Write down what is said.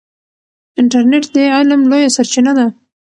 انټرنیټ د علم لویه سرچینه ده.